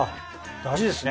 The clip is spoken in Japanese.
大事ですね！